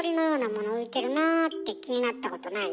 浮いてるなって気になったことない？